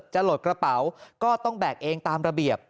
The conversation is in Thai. โหลดกระเป๋าก็ต้องแบกเองตามระเบียบ